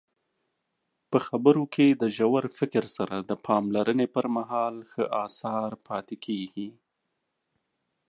په خبرو کې د ژور فکر سره د پاملرنې پرمهال ښې اثار پاتې کیږي.